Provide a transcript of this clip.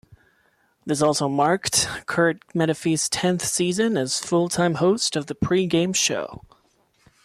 This also marked Curt Menefee's tenth season as full-time host of the pregame show.